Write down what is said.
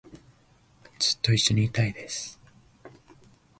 ずっと一緒にいたいです